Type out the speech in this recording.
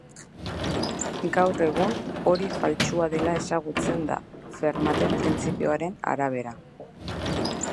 Gaur egun, hori faltsua dela ezagutzen da, Fermaten printzipioaren arabera.